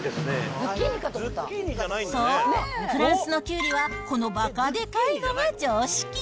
そう、フランスのきゅうりはこのばかでかいのが常識。